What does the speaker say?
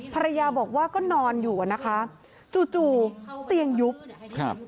ภรรยาบอกว่าก็นอนอยู่อ่ะนะคะจู่จู่เตียงยุบครับ